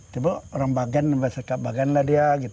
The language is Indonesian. coba orang bagan bahasa kampar lah dia